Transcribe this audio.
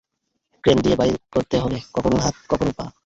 Crane দিয়ে বাইর করতে হবে, কখনও হাত, কখনও পা!